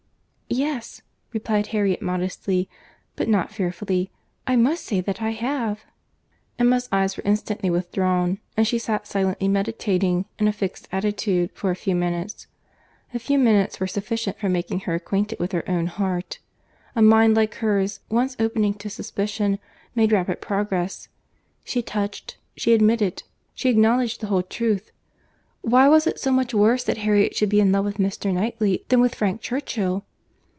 "Yes," replied Harriet modestly, but not fearfully—"I must say that I have." Emma's eyes were instantly withdrawn; and she sat silently meditating, in a fixed attitude, for a few minutes. A few minutes were sufficient for making her acquainted with her own heart. A mind like hers, once opening to suspicion, made rapid progress. She touched—she admitted—she acknowledged the whole truth. Why was it so much worse that Harriet should be in love with Mr. Knightley, than with Frank Churchill?